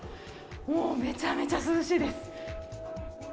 もうめちゃめちゃ涼しいです。